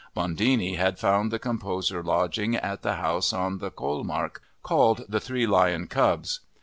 Bondini had found the composer lodgings at the house on the Kohlmarkt called the "Three Lion Cubs."